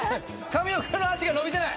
神尾君の足が伸びてない。